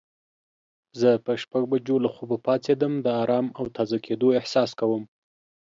زه په شپږ بجو له خوبه پاڅیدم د آرام او تازه کیدو احساس کوم.